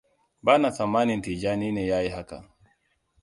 Bana tsammanin Tijjani ne ya yi haka.